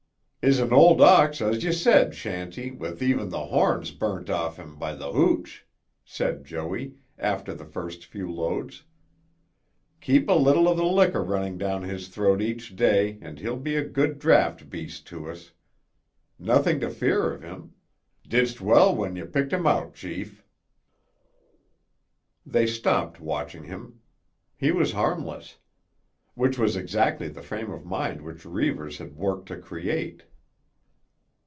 "Is an old ox, as 'ee said, Shanty, with even tuh horns burnt off him by tuh hooch," said Joey, after the first few loads. "Keep a little o' tuh liquor running down his throat each day and he'll be a good draft beast to us. Nothing to fear o' him. Didst well when 'ee picked him out, chief." They stopped watching him. He was harmless. Which was exactly the frame of mind which Reivers had worked to create.